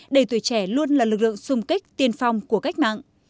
để tuổi trẻ luôn là lực lượng xung kích tiên phong của cách mạng